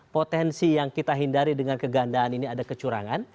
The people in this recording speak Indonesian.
potensi yang kita hindari dengan kegandaan ini ada kecurangan